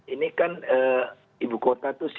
ini kan ibu kota